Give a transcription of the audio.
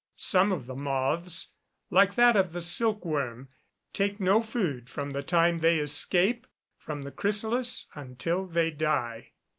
Some of the moths, like that of the silk worm, take no food from the time they escape from the chrysalis until they die.